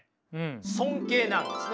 尊敬なんですね